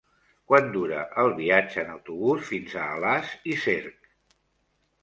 Quant dura el viatge en autobús fins a Alàs i Cerc?